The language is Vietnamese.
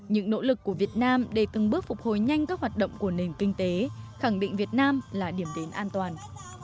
những nỗ lực của việt nam để từng bước phục hồi nhanh các hoạt động của nền kinh tế khẳng định việt nam là điểm đến an toàn